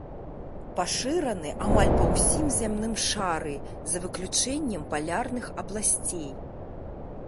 Пашыраны амаль па ўсім зямным шары за выключэннем палярных абласцей.